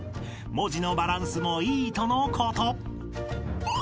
［文字のバランスもいいとのこと］